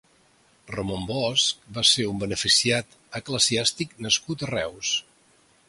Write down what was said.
Ramon Bosc va ser un beneficiat eclesiàstic nascut a Reus.